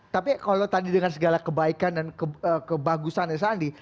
tapi kalau tadi dengan segala kebaikan dan kebagusannya sandi